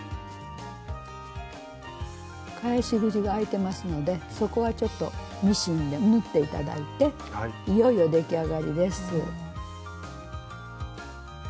返し口があいてますのでそこはちょっとミシンで縫って頂いていよいよ出来上がりです。